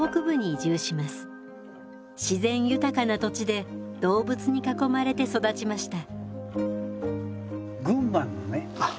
自然豊かな土地で動物に囲まれて育ちました。